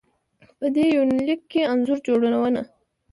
په دې يونليک کې انځور جوړونه